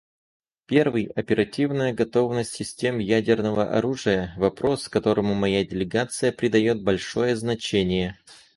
Первый — оперативная готовность систем ядерного оружия, вопрос, которому моя делегация придает большое значение.